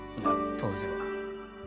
当時は。